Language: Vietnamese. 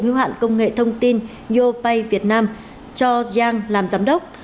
hữu hạn công nghệ thông tin yopay việt nam cho giang làm giám đốc